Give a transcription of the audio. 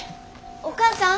お母さん。